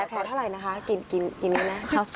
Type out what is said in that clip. แผลเท่าไหร่นะคะกินนี่นะ